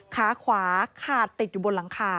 ขาขวาขาดติดอยู่บนหลังคา